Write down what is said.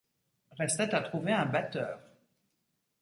Restait à trouver un batteur.